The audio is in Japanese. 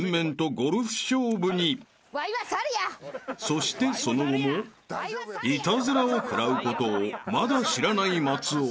［そしてその後もイタズラを食らうことをまだ知らない松尾］